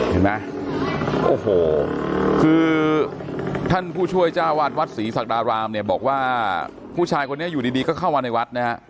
เห็นไหมโอ้โหคือท่านผู้ช่วยจ้าวาดวัดศรีศักดารามเนี่ยบอกว่าผู้ชายคนนี้อยู่ดีก็เข้ามาในวัดนะฮะ